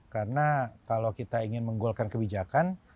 karena kalau kita ingin menggolkan kebijakan